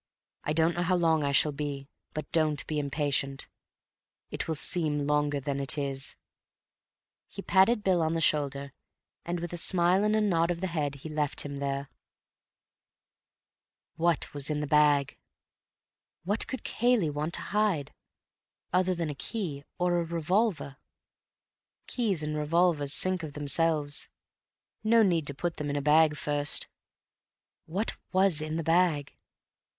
I don't know how long I shall be, but don't be impatient. It will seem longer than it is." He patted Bill on the shoulder, and with a smile and a nod of the head he left him there. What was in the bag? What could Cayley want to hide other than a key or a revolver? Keys and revolvers sink of themselves; no need to put them in a bag first. What was in the bag?